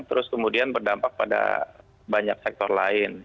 terus kemudian berdampak pada banyak sektor lain